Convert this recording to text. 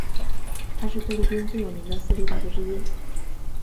它是菲律宾最有名的私立大学之一。